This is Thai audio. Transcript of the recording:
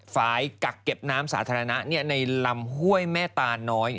ยกักเก็บน้ำสาธารณะในลำห้วยแม่ตาน้อย